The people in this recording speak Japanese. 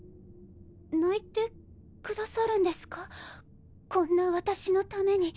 泣いてくださるんですかこんな私のために。